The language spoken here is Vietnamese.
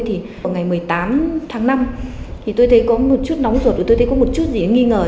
thì vào ngày một mươi tám tháng năm thì tôi thấy có một chút nóng ruột thì tôi thấy có một chút gì nghi ngờ